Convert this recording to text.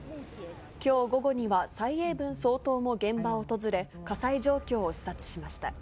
きょう午後には、蔡英文総統も現場を訪れ、火災状況を視察しました。